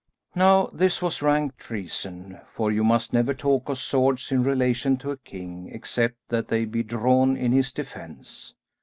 Now this was rank treason, for you must never talk of swords in relation to a king, except that they be drawn in his defence.